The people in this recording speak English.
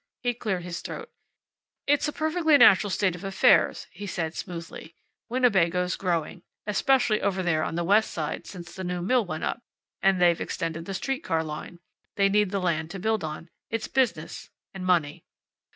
He cleared his throat. "It's a perfectly natural state of affairs," he said smoothly. "Winnebago's growing. Especially over there on the west side, since the new mill went up, and they've extended the street car line. They need the land to build on. It's business. And money."